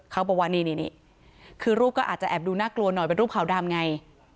เขาบอกว่านี่คือรูปก็อาจจะแอบดูน่ากลัวหน่อยเป็นรูปขาวดำไง